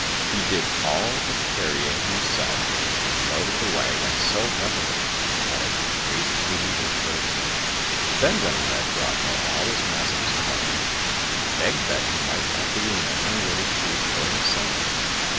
He did all the carrying himself, and loaded the wagon so heavily that it creaked beneath its burden. Then when he had brought home all his master's corn, he begged that he might have the remaining little sheaf for himself.